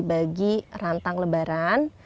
kami bagi rantang lebaran